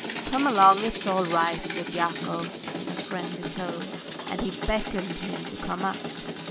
"Come along, it's all right," said Yakov in a friendly tone, and he beckoned him to come up.